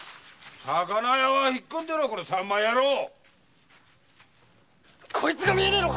魚屋は引っ込んでろこのサンマヤロ−こいつが見えねぇのか？